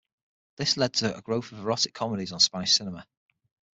This led to a growth of erotic comedies on Spanish cinema.